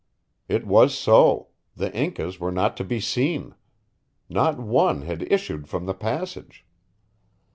It was so; the Incas were not to be seen! Not one had issued from the passage.